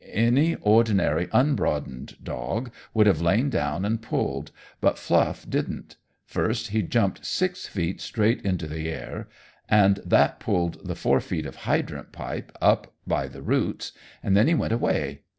Any ordinary, unbroadened dog would have lain down and pulled, but Fluff didn't. First he jumped six feet straight into the air, and that pulled the four feet of hydrant pipe up by the roots, and then he went away.